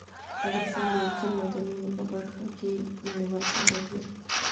افغانستان د اوبزین معدنونه په برخه کې نړیوال شهرت لري.